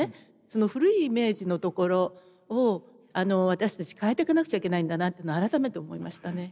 その古いイメージのところを私たち変えてかなくちゃいけないんだなっていうのを改めて思いましたね。